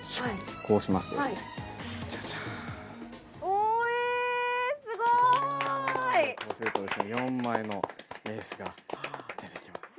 こうすると４枚のエースが出てきます。